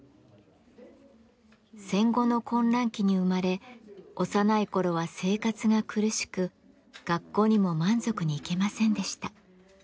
戦後の混乱期に生まれ幼いころは生活が苦しく学校にも満足に行けませんでした。